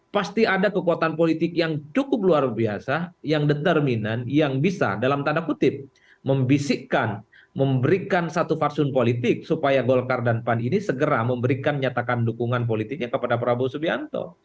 pasti ada kekuatan politik yang cukup luar biasa yang determinan yang bisa dalam tanda kutip membisikkan memberikan satu fatsun politik supaya golkar dan pan ini segera memberikan nyatakan dukungan politiknya kepada prabowo subianto